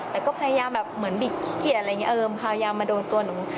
แต่ก็พยายามแบบเหมือนบิดขี้เกียจอะไรอย่างนี้พยายามมาโดนตัวหนู